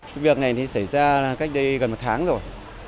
cái việc này thì xảy ra cách đây gần một tháng rồi